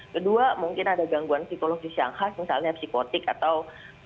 kedua mungkin ada gangguan psikologis yang khas misalnya psikotik atau